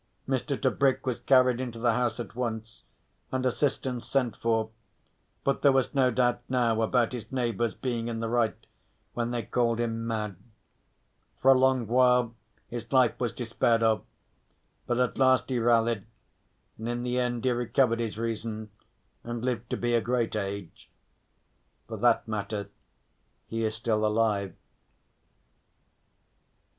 Mr. Tebrick was carried into the house at once and assistance sent for, but there was no doubt now about his neighbours being in the right when they called him mad. For a long while his life was despaired of, but at last he rallied, and in the end he recovered his reason and lived to be a great age, for that matter he is still alive.